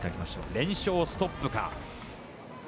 連勝ストップか。